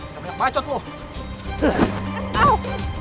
kamu anak pacot lu